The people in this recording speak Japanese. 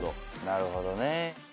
なるほどね。